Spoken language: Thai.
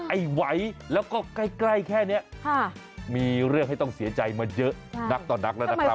ไอ้ไหวแล้วก็ใกล้แค่นี้มีเรื่องให้ต้องเสียใจมาเยอะนักต่อนักแล้วนะครับ